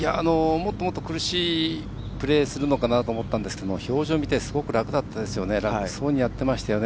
もっともっと、苦しいプレーするのかなと思ってたんですが表情見たら、すごく楽そうにやっていましたよね。